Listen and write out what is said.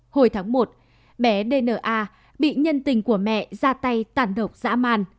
hồi tháng một bé dna bị nhân tình của mẹ ra tay tản độc dã man